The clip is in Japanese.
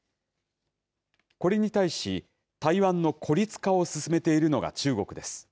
これに対し、台湾の孤立化を進めているのが中国です。